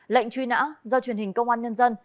lệnh truy nã do truyền hình công an nhân dân